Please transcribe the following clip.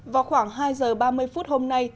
vào khoảng hai giờ ba mươi phút hôm nay